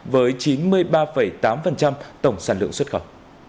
với chín mươi ba tám tổng sản lượng xuất khẩu